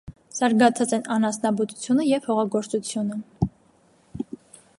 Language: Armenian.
Զարգացած են անասնաբուծությունը և հողագործությունը։